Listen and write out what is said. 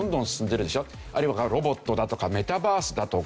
あるいはロボットだとかメタバースだとかね